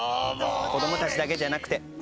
子供たちだけじゃなくて。